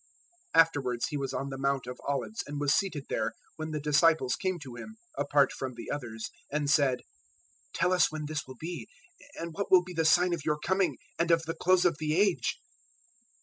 024:003 Afterwards He was on the Mount of Olives and was seated there when the disciples came to Him, apart from the others, and said, "Tell us when this will be; and what will be the sign of your Coming and of the Close of the Age?"